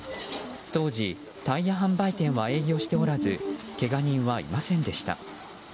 当時、タイヤ販売店は営業しておらずけが人はいませんでした。